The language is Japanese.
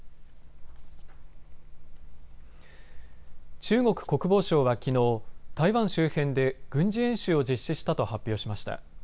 中国国防省はきのう、台湾周辺で軍事演習を実施したと発表しました。